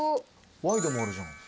ワイドもあるじゃん。